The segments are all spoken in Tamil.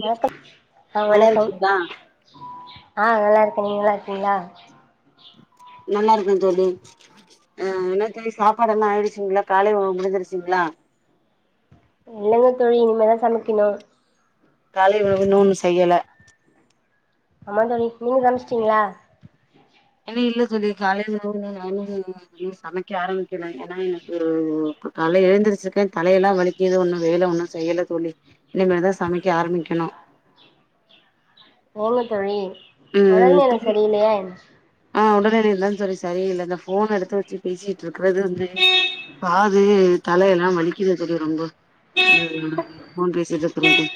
வணக்கம் ஆ நல்லா வணக்கம் இருக்கீங்களா ஆ நல்லா இருக்கே நீங்க நல்லா இருக்கீங்களா நல்லா இருக்கே தோழி ஆ என்னா தோழி சாப்பாடெல்லா ஆயிடுச்சுங்களா காலை உணவு முடிஞ்சுடுச்சுங்களா இல்லங்க தோழி இனிமேதா சமைக்கணு காலை உணவு இன்னு ஒன்னு செய்யல அமா தோழி நீங்க சமச்சிட்டீங்களா இன்னு இல்ல தோழி காலை [inaudible] உணவு வந்து தோழி சமைக்க ஆரம்பிக்கள ஏனா எனக் ஒரு கால்ல எழுந்திருச்சிருக்கே தலையெல்லா வலிக்குது ஒன்னு வேல ஒன்னு செய்யல தோழி இனிமேதா சமைக்க ஆரம்பிக்க ணு [unintelligible] தோழி ம் ஒடல்நெல தோழி சரியில்லியா என்ன ஆ உடல்நிலை தா தோழி சரி இல்லதா இந்த ஃபோன எடுத்து வச்சு பேசிகி ட்ருக்கறது வந்து காது தலயெல்லா வலிக்கிது தோழி ரொம்போ அ ம் போன் பேசிட்டுக்குறது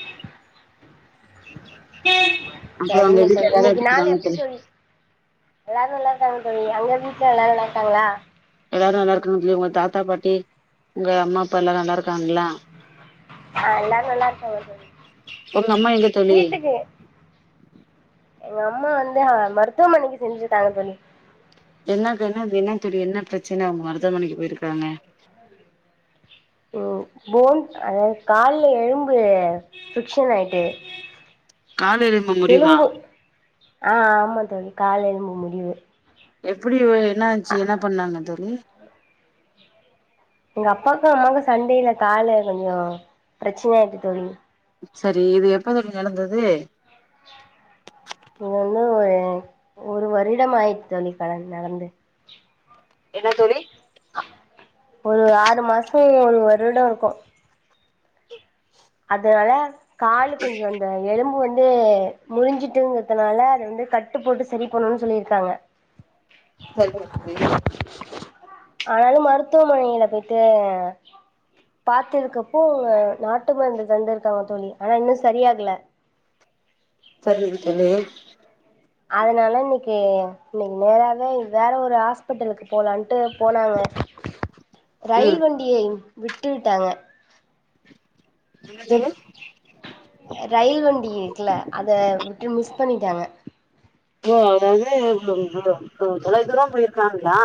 உங்க சரிங்க வீட்ல தோழி எல்லாரு இன்னைக்கி நாளு இருக்காங்க எப்டி தோழி எல்லாரு நல்லா இருக்காங்க தோழி அங்க வீட்ல எல்லாரு நல்லாருக்காங்களா எல்லாரு நல்லா இருக்காங்க தோழி உங்க தாத்தா பாட்டி உங்க அம்மா அப்பா எல்லாரு நல்லா இருக்காங்களா ஆ எல்லாரு நல்லா இருக்காங்க தோழி உங்க அம்மா எங்க தோழி வீட்டுக்கு எங்க அம்மா வந்து ஆ மருத்துவமனைக்கு சென்றிருக்காங்க தோழி என்னாகன்னு அது என்ன தெரியு அது என்ன ப்ரச்சன அவுங்க மருத்துவமனைக்கு போயிருக்குறாங்க ம் போன் அதாவது கால்ல எலும்பு ட்டிவ்ஷன் ஆயிட்டு கால் எலும்பு முறிவா எலும்பு ஆ ஆமா தோழி கால் எலும்பு முறிவு எப்டி வே என்னாச்சு என்ன பண்ணாங்க தோழி எங்க அப்பாக்கும் அம்மாக்கும் சண்டையில கால கொஞ்சோ ப்ரச்சன ஆயிட்டு தோழி சரி இது எப்பலருந்து நடந்தது இது வந்து ஒரு ஒரு வருடம் ஆயிடுச்சு தோழி கடன் நடந்து என்ன தோழி ஒரு ஆறு மாசோ ஒரு வருடோருக்கு அதுனால காலு கொஞ்சோ அந்த எலும்பு வந் து முறிஞ்சிட்டுங்கிறதுனால அத வந்து கட்டு போட்டு செரி பண்ணணு சொல்லிருக்காங்க செரிங்க தோழி ஆனாலு மருத்துவமனையில பொயிட்டு பாத்துருக்கப்போ நாட் டு மருந்து தந்துருக்காங்க தோழி ஆனா இன்னு சரியாகல சரிங்க தோழி அதுனால இன்னைக்கி இன்னைக்கி நேராவே வேற ஒரு ஹாஸ்பிட்டலுக்கு போலான்ட்டு போனாங்க ம் ரயில் வண்டிய விட்டுட்டாங்க என்ன ரயில் வண்டி இருக்குல அத விட்டு மிஸ் பண்ணிட்டாங்க ஓ அதாவது ஒ தொ தொலை தூரோ போயிருக்காங்களா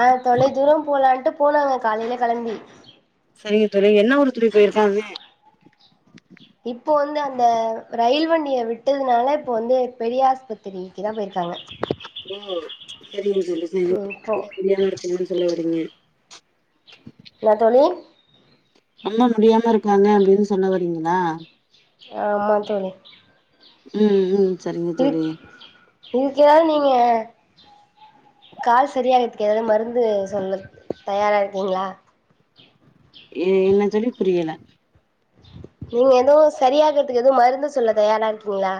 ஆ தொலை தூரோ போலான்ட்டு போனாங்க காலையில கெளம்பி செரிங்க தோழி என்ன ஊருக்கு தோழி போயிருக்காங்க இப்போ வந்து அந்த ரயில் வண்டிய விட்டதுனால இப்போ வந்து பெரியாஸ்பத்திரிக்குதா போயிருக் டாங்க ம் செரிங்க தோழி செரிங்க இப்போ ஒன்னு புரியாம இருக்குனு சொல்ல வறீங்க இல்ல தோழி ரொம்ப முடியாம இருக்காங்க அப்டின்னு சொன்ன வரீங்களா ஆமா தோழி ம் ம் சரிங்க தோழி இங்கியாது நீங்க கால் செரியாகதுக்கு ஏதாவது மருந்து சொல்ல தயாரா இருக்கீங்களா ஏ என்ன சொல்லு புரியல நீங்க எதோ செரியாகறதுக்கு எதுவும் மருந்து சொல்ல தயாரா இருக்கீங்களா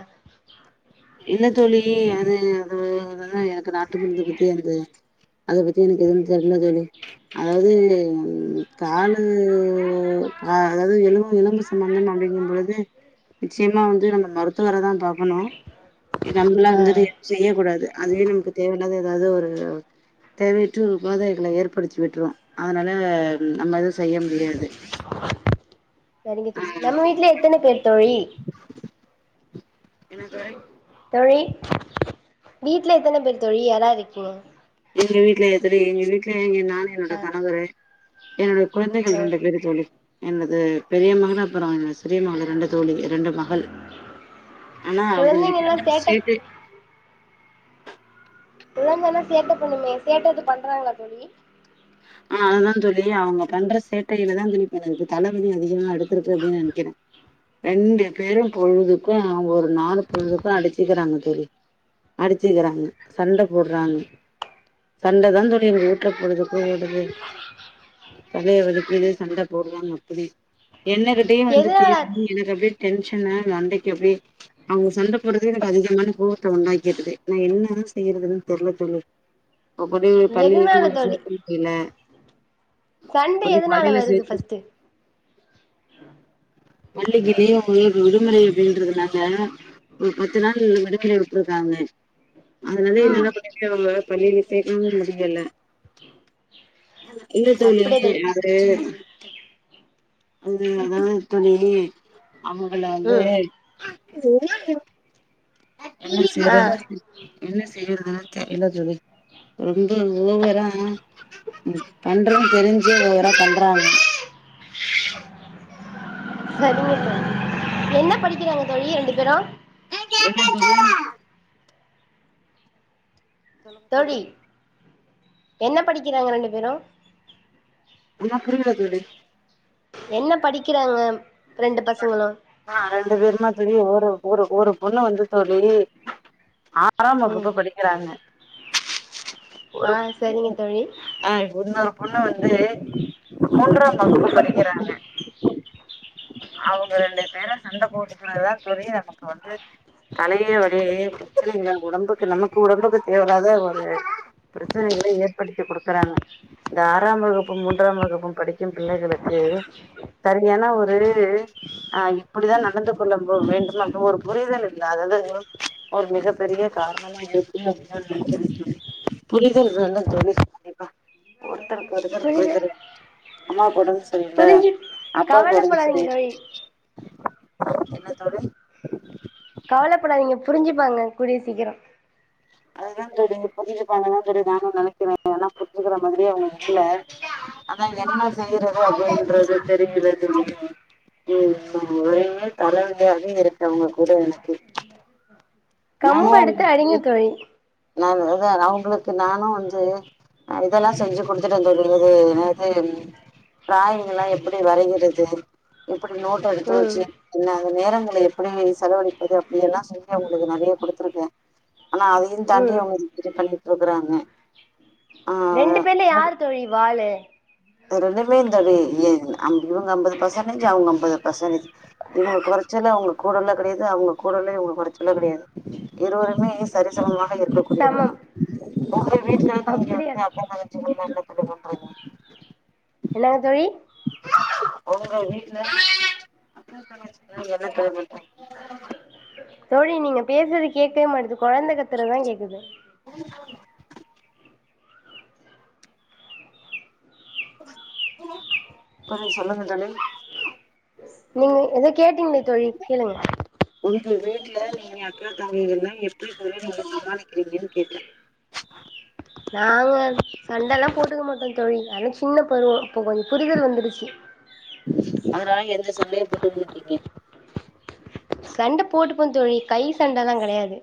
இல்ல தோழி அது அதுவ அதுவந்து எனக்கு நாட்டு மருந்து பத்தி எனக்கு அத பத்தி எனக்கு எதுவு தெரியல தோழி அதாவது காலு அ அதாவது எலும்பு எலும்பு சம்பந்தமா அப்டிங்கு பொழுது நிச்சயமா வந்து நம்ம மருத்துவர தா பாக்கணு இது நம்மளா ஆ வந்துட்டு செய்ய கூடாது அதுவே நமக்கு தேவயில்லாத ஏதாது ஒரு தேவையற்று போதைகள ஏற்படுத்தி விட்டுரும் அதனால நம்ம எதுவு செய்ய முடியாது செரிங்க ஆ தோழி நம்ம வீட்ல எத்தன பேர் தோழி என்ன சாய் தோழி வீட்ல எத்தன பேர் தோழி யார்யார் இருக்கீங்க எங்க வீட்ல எத்தன எங்க வீட்ல எங்க நானு என்னோட ஆ கணவரு என்னுடைய ஆ குழந்தைகள் ரெண்டு பேரு தோழி என்னது பெரிய மகளு அப்புறோ சிறிய மகளு ரெண்டு தோழி ரெண்டு மகள் ஆனா அது குழந்தைங்கல்லா லண்டன் சேட்ட ஸ்வீட்டு புள்ளைங்கனா சேட்ட பண்ணுமே சேட்ட எது பண்றாங்களா தோழி ஆ அதுதா தோழி அவுங்க பண்ற சேட்டையில தா தோழி இப்ப எனக்கு தல [unintelligible] அடுத்திருக்கு அப்டின்னு நெனைக்கிறே ரெண்டு பேரும் பொழுதுக்கு அவுங்க ஒரு நாலு பொழுதுக்கு அடிச்சிக்கிறாங்க தோழி அடிச்சிக்கிறாங்க சண்ட போடுறாங்க சண்ட தா தோழி எங்க வுட்டுல பொழுதுக்கு ஓடுது தலையே வலிக்குது சண்ட போடுறாங்க அப்டி என்னகிட்டயு வந்து எதனால திரும்பி எனக்கு அப்டே டென்ஷன்னு மண்டைக்கு போய் அவுங்க சண்ட போடுறது எனக்கு அதிகமான கோவத்த உண்டாக்கிறது நா என்ன என்ன செய்யறதுன்னு தெரில தோழி அப்டியே பள்ளிளேயு எதனால கொண்டு தோழி சேத் இல்ல சண்ட எதுனால வருது ஃபர்ஸ்ட்டு [unintelligible] அப்டின்றதுனால ஒரு பத்து நாள் விடுகைகள் விட்டுருக்காங்க அதனால ம் என்னென்ன படி அவுங்க பள்ளியில சேர்க்கவு முடியல இல்ல தோழி அது அது அதாவது தோழி அவுங்கள வந்து ம் என்ன ஆ செய்றது என்ன செய்றது என்ன தோழி ரொம்ப ஒவரா பண்ணுறன்னு தெரிஞ்சே ஒவரா பண்றாங்க செரிங்க தோழி என்ன படிக்கிறாங்க தோழி ரெண்டு பேரு தோழி என்ன படிக்கிறாங்க ரெண்டு பேரும் என்ன புரியல தோழி என்ன படிக்கிறாங்க ரெண்டு [unintelligible] பசங்களு ஆ ரெண்டு பேருமா தோழி ஒரு ஒரு ஒரு பொண்ணு வந்து தோழி ஆறாம் ம் வகுப்பு படிக்கிறாங்க ஆ ஒருப் சரிங்க தோழி அ இன்னோரு பொண்ண வந்து மூன்றாம் வகுப்பு படிக்கிறாங்க அவுங்க ரெண்டு பேரு சண்ட போட்டுக்குறதுதா தோழி நமக்கு வந்து தலையே வலி ப்ரச்சனை இல்ல உடம்புக்கு நமக்கு உடம்புக்கு தேவயில்லாத ஒரு பிரச்சனைகளை ஏற்படுத்தி குடுக்குறாங்க இந்த ஆறாம் வகுப்பும் மூன்றாம் வகுப்பும் படிக்கும் பிள்ளைகளுக்கு கு சரியான ஒரு ஆ இப்புடித்தா நடந்து கொள்ள வேண்டும் அப்ப ஒரு புரிதல் இல்லாதது தது ஒரு மிகப் பெரிய காரணமா இருக்குமுன்னு நெனக்கிற தோழி புரிதல் வேணும் தோழி கண்டிப்பா ஒருத்தருக்கு ஒருத்தர் புரிது புரிதல் வேணு புரிஞ்சு அப்பாவுக்கு உடம்பு கவலைப்படாதீங்க சரியில்ல தோழி என்ன தோழி கவலைப்படாதீங்க புரிஞ்சுப்பாங்க கூடிய சீக்கிரோ அதுதா தோழி புரிஞ்சுப்பாங்கனுதா தோழி நானு நெனைக்கிறே ஏனா புரிஞ்சுக்குற மாதிரியே அவுங்க இல்ல அதா என்ன செய்யிறது அப்டின்றது தெரியுது தோழி ம் ஒரே தலைவலியாவே இருக்கு அவுங்க கூட எனக்கு நானு கம்பு எடுத்து அடிங்க தோழி நா எ அதா அவுங்குளுக்கு நானு வந்து இதெல்லா செஞ்சு குடுத்துட்டு சொல்லி அது என்னாது டிராயிங் எல்லா எப்டி வரைகிறது எப்டி நோட்ட எடுத்து ம் வச்சு என்ன அது நேரம் எப்டி செலவழிப்பது அப்டி எல்லா சொல்லி அவுங்களுக்கு நறயா குடுத்துருக்கே ஆனா அதையு தாண்டி ம் அவுங்க இப்டி பண்ணிட்டு இருக்குறாங்க ரெண்டு பேர்ல யாரு தோழி வாலு ஏ இவுங்க அம்பது பர்சன்டேஜ் அவுங்க ஐம்பது பர்சன்டேஜ் இவுங்க குறைச்சல்ல அவங்க கூடல கெடயாது அவுங்க கூடலே இவங்க கொறச்சலோ கெடயாது இருவருமே சரிசமமா இருக்கக்கூடியவர் தா சமம் உங்க வீட்ல நீங்க அப்படியா வந்து அக்கா தங்கச்சி எல்லா என்ன என்ன பண்றீங்க என்னங்க தோழி ஒங்க வீட்ல அக்கா தங்கச்சி எல்லா தோழி நீங்க பேசுறது கேட்கவே மாட்டுது கொழந்த கத்துறதா கேக்குது சொல்லுங்க தோழி நீங்க ஏதோ கேட்டீங்களே தோழி கேளுங்க வீட்ல ‌நீங்க அக்கா தங்கைகள் எல்லா எப்டி ‌சொல்லி நீங்க சமாளிக்கிறீங்கன்னு கேட்ட நாங்க ‌சண்டல்லா போட்டுக்க மாட்டோ தோழி அதல்லா சின்ன பருவ இப்போ கொஞ்ச புரிதல் வந்துருச்சி அதனால எந்த சண்டயு போட்டுக்க மாட்டீங்க சண்ட போட்டுப்போ தோழி கை சண்டல்லா கெடையாது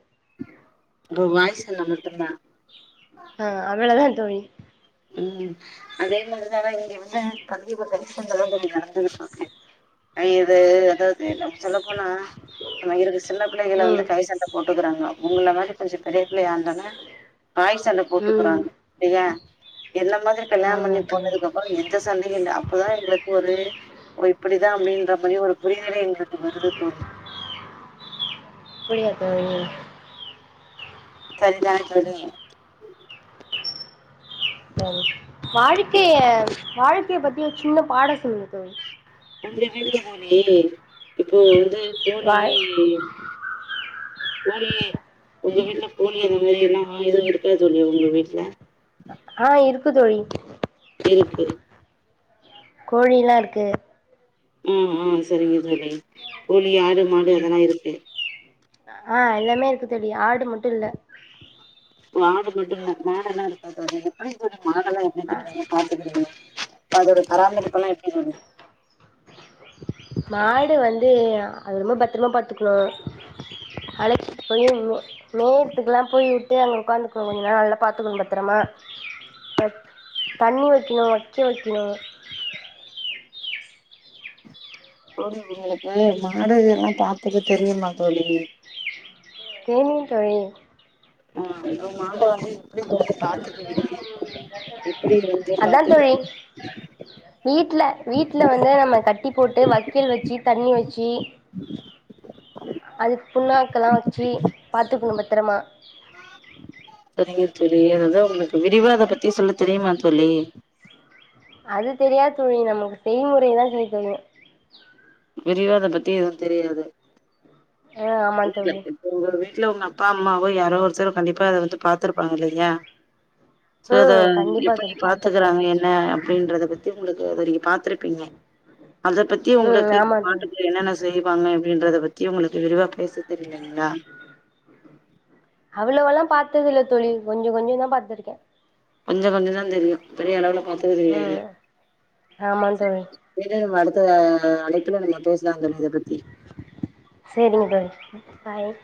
உங்க வாய் சண்ட மட்டுந்தா ஆ அவ்ளோ தா தோழி ம் அதே மாரிதா இங்க வந்து தம்பி கொஞ்சோ ஹெல்ப் பன்லானு நடந்துட்டு இருக்கு ஐ இது அதாது நம்ம சொல்ல போனா நம்ம இருக்கு சின்ன பிள்ளைங்கள வந்து ம் கை சண்ட போட்டுக்கிறாங்க உங்கள மாரி ‌‌‌‌‌‌கொஞ்ச பெரிய பிள்ளை ஆனான வாய் சண்ட ம் போட்டுக்குறாங்க சரியா என்ன மாதிரி ‌‌ கல்யாணம் ஆமா பண்ணி தோழி போனதுக்கு அப்புறம் எந்த சண்டையு இல்ல அப்பதா எங்குளுக்கு ஒரு ஓ இப்டிதா அப்டின்ற மாரி ஒரு புரிதலே எங்களுக்கு வருது தோழி அப்டியா தோழி சரிதா தோழி வாழ்க்கைய வாழ்க்கைய பத்தி ஒரு சின்ன பாடம் சொல்லுங்க தோழி உங்க வீட்ல தோழி இப்போ வந்து கோழி வாழ் தோழி யே உங்க வீட்ல கோழி அந்த மாரி என்ன எதுவு இருக்கா தோழி உங்க வீட்ல ஆ இருக்கு தோழி இருக்கு கோழில்லா இருக்கு ம் ம் சரிங்க தோழி கோழி ஆடு மாடு அதெல்லா இருக்கு ஆ எல்லாமே இருக்கு தோழி ஆடு மட்டு இல்ல ஆடு மட்டு இல்ல கோழில்லா இருக்கு அது எப்டி தோழி மாடெல்லா ஆ வச்சி பாத்துக்குறீங்க அதோட பராமரிப்பு எல்லா எப்டி தோழி மாடு வந்து அது ரொம்ப பத்திரமா பாத்துக்கணு அழச்சிட்டு போய் மேய்றதுக்குல போய் விட்டு அங்க உக்காந்து கொஞ்ச நல்லா பாத்துக்கணு பத்தரமா தண்ணி வைக்கணு வைக்க வைக்கணு தோழி உங்களுக்கு மாடு எல்லா பாத்துக்க தெரியுமா தோழி தெரியு தோழி ஆ மாட்டவந்து எப்டி வந்து அதா பாத்து தோழி வீட்ல வீட்ல வந்து நம்ம கட்டி போட்டு வக்கல் வச்சு தண்ணி வச்சு அது புண்ணாக்கெல்லா வச்சு பாத்துக்கணு பத்தரமா செரிங்க தோழி அததா உங்களுக்கு விரிவா அத பத்தி சொல்ல தெரியுமா தோழி அது தெரியாது தோழி நமக்கு செய்முறைதான் செய்யத்தெரியும் விரிவ அதை பத்தி எதுவும் தெரியாது ஆ ஆமா இல்லல்ல தோழி இப்ப உங்க வீட்ல உங்க அப்பா அம்மாவு யாரோ ஒருத்தர் கண்டிப்பா அதை வந்து பாத்துருப்பாங்க இல்லையா சோ அத ம் கண்டிப்பா எப்படி தோழி பாத்துப்பே பாத்துக்கறாங்க என்ன அப்படின்றத பத்தி உங்களுக்கு நீங்க அதை பாத்துருப்பீங்க அத பத்தி ம் உங்களுக்கு ஆமா தோழி அவங்கபாட்டுக்கு என்னென்ன செய்வாங்க அப்படின்றத பத்தி உங்களுக்கு விரிவா பேச தெரிலைங்களா அவ்வளவெல்லா பார்த்ததில்லை தோழி கொஞ்சம் கொஞ்சம் தான் பார்த்திருக்கே கொஞ்சம் கொஞ்சம் தான் தெரியும் பெரிய அளவுல பாத்தது கிடையாது ம் ஆமா தோழி [unintelligible] அடுத்த அழைப்புல நம்ம பேசலாம் தோழி இத பத்தி சேரிங்க தோழி பாய்